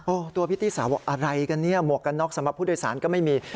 โอ้ตัวพริตตี้สาวอะไรกันเนี่ยหมวกกันน็อกสำหรับพุทธโดยสารก็ไม่มี